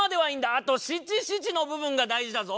あと七七の部分が大事だぞ。